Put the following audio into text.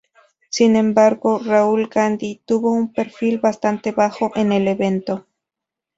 Sin embargo, Rahul Gandhi tuvo un perfil bastante bajo en el evento.